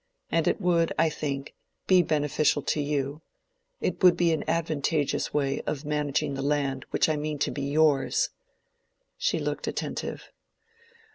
And it would, I think, be beneficial to you: it would be an advantageous way of managing the land which I mean to be yours." She looked attentive.